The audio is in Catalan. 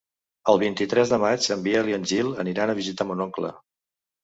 El vint-i-tres de maig en Biel i en Gil aniran a visitar mon oncle.